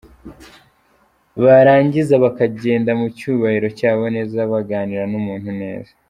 Barangiza bakagenda mu cyubahiro cyabo neza baganira n’umuntu neza..”